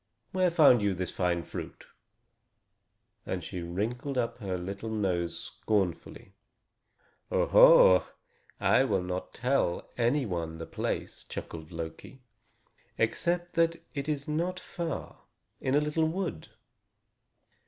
Where found you this fine fruit?" and she wrinkled up her little nose scornfully. "Oho! I will not tell any one the place," chuckled Loki, "except that it is not far, in a little wood.